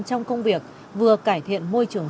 trong công việc vừa cải thiện môi trường